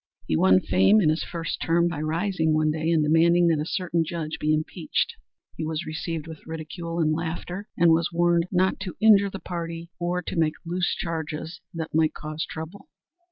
He won fame in his first term by rising one day and demanding that a certain judge be impeached. He was received with ridicule and laughter, and was warned not to injure the party, or to make "loose charges" that might cause trouble.